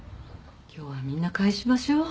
今日はみんな帰しましょう。